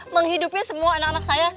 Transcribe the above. menghidupi semua anak anak saya